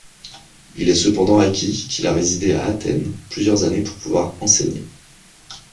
Il est cependant acquis qu'il a résidé à Athènes plusieurs années pour pouvoir enseigner.